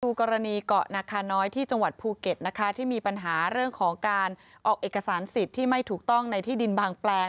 กรณีเกาะนาคาน้อยที่จังหวัดภูเก็ตนะคะที่มีปัญหาเรื่องของการออกเอกสารสิทธิ์ที่ไม่ถูกต้องในที่ดินบางแปลง